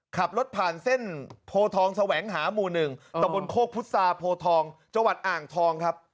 ขับรถผ่านเส้นโพทองแสวงหาหมู่๑ตะบนโคกพุษาโพทองจังหวัดอ่างทองครับ